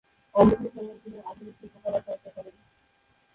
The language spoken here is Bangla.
অবসর সময়ে তিনি আধুনিক শিল্পকলা চর্চা করেন।